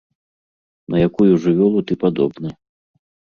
На якую жывёлу ты падобны?